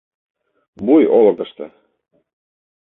БУЙ ОЛЫКЫШТО